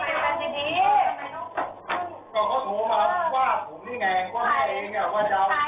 ไม่ได้ถามแม่เองแล้วกันแม่งานตกอยู่อ่ะ